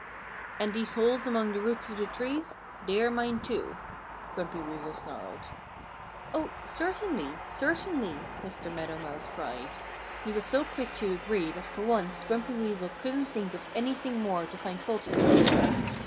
"And these holes among the roots of the trees they are mine too," Grumpy Weasel snarled. "Oh, certainly! Certainly!" Mr. Meadow Mouse cried. He was so quick to agree that for once Grumpy Weasel couldn't think of anything more to find fault about.